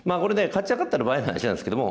勝ち上がったらの場合の話なんですけども。